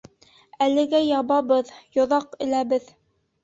Әлегә ябабыҙ, йоҙаҡ эләбеҙ!..